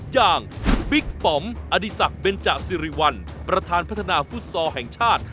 อย่างบิ๊กปอมอดีศักดิ์เบนจสิริวัลประธานพัฒนาฟุตซอลแห่งชาติ